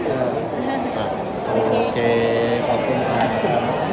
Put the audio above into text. โอเคขอบคุณครับ